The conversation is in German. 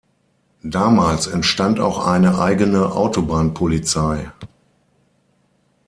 Damals entstand auch eine eigene Autobahnpolizei.